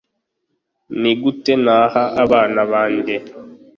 Ni gute naha abana banjye